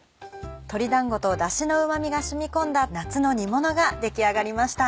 鶏だんごとだしのうまみが染み込んだ夏の煮ものが出来上がりました。